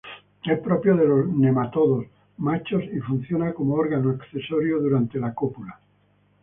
Es propio de los nematodos machos y funciona como órgano accesorio durante la cópula.